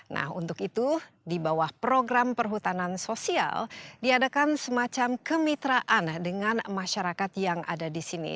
nah untuk itu di bawah program perhutanan sosial diadakan semacam kemitraan dengan masyarakat yang ada di sini